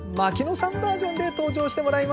バージョンで登場してもらいました。